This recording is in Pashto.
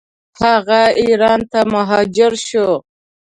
هغه ایران ته مهاجر شو.